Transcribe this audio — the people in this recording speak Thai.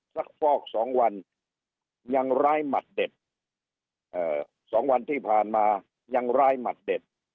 ฟอกสองวันยังร้ายหมัดเด็ดสองวันที่ผ่านมายังร้ายหมัดเด็ด